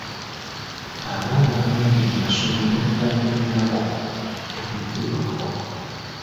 Abaana bangi mu masomero omuli n’ago agatandikirwako.